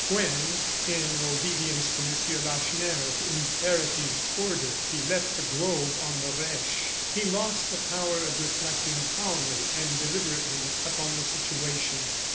When, in obedience to M. Lacheneur's imperative order, he left the grove on the Reche, he lost the power of reflecting calmly and deliberately upon the situation.